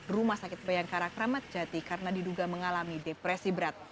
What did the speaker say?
rumah sakit bayangkara kramat jati karena diduga mengalami depresi berat